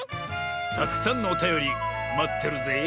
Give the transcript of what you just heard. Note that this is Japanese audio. たくさんのおたよりまってるぜえ